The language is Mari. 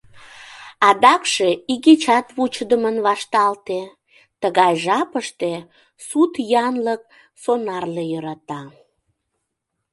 Адакше игечат вучыдымын вашталте — тыгай жапыште сут янлык сонарле йӧрата...»